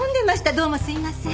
どうもすいません。